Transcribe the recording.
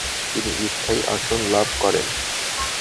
তিনি স্থায়ী আসন লাভ করেন।